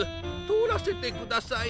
とおらせてください。